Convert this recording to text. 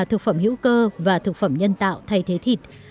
thực phẩm hữu cơ và thực phẩm nhân tạo thay thế thịt